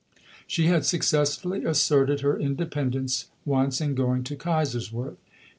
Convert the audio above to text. She had successfully asserted her independence once in going to Kaiserswerth.